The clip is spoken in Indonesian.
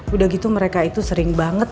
udah gitu mereka itu sering banget